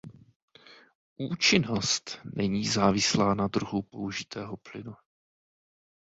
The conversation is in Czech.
Účinnost není závislá na druhu použitého plynu.